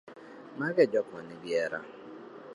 mago e jok ma nigi hera